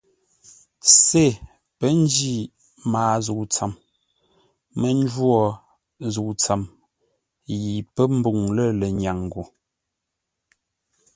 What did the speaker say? Sê pə́ njí maa zə̂u tsəm, mə́ njwó zə̂u tsəm yi pə́ mbûŋ lə lənyâŋ gho.